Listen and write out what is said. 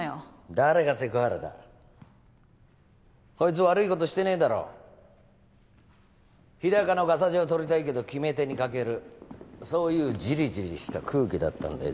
誰がセク原だこいつ悪いことしてねえだろ日高のガサ状とりたいけど決め手に欠けるそういうジリジリした空気だったんだよ